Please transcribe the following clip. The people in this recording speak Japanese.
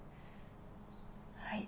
はい。